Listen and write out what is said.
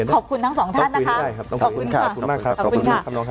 ขอบคุณทั้งสองท่านนะคะขอบคุณค่ะขอบคุณค่ะ